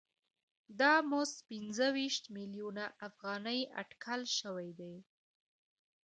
دا مزد پنځه ویشت میلیونه افغانۍ اټکل شوی دی